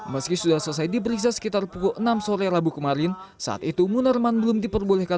meski sudah selesai diperiksa sekitar pukul enam sore rabu kemarin saat itu munarman belum diperbolehkan